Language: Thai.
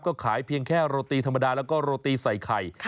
ก็ขายเพียงแค่โรตีธรรมดาแล้วก็โรตีใส่ไข่